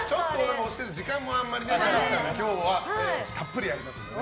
時間もあまりなかったので今日はたっぷりやりますので。